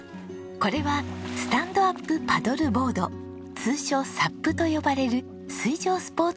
これはスタンドアップパドルボード通称サップと呼ばれる水上スポーツです。